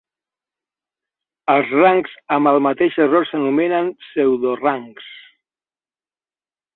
Els rangs amb el mateix error s'anomenen pseudorangs.